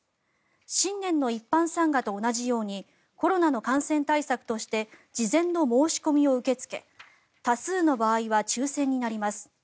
新年の一般参賀と同じようにコロナの感染対策として事前の申し込みを受け付け多数の場合は抽選になります。